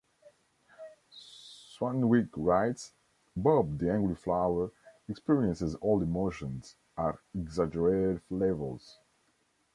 Swanwick writes, Bob the Angry Flower experiences all emotions at exaggerated levels.